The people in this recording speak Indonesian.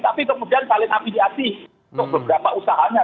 tapi kemudian saling afiliasi untuk beberapa usahanya